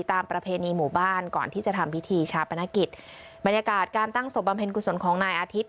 ประเพณีหมู่บ้านก่อนที่จะทำพิธีชาปนกิจบรรยากาศการตั้งศพบำเพ็ญกุศลของนายอาทิตย